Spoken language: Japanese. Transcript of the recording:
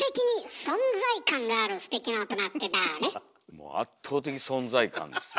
もう圧倒的存在感ですよ。